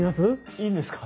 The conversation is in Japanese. いいんですか？